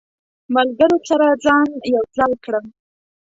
ملګرو سره ځان یو ځای کړم.